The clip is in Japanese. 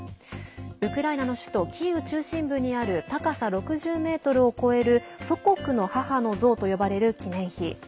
ウクライナの首都キーウ中心部にある高さ６０ｍを超える祖国の母の像と呼ばれる記念碑。